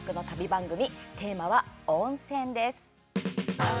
番組テーマは温泉です。